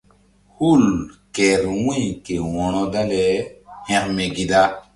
Hul kehr wu̧y ke wo̧ro dale hekme gi da.